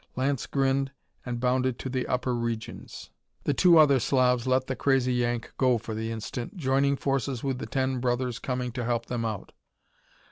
Lance grinned and bounded to the upper regions. The two other Slavs let the crazy Yank go for the instant, joining forces with the ten brothers coming to help them out.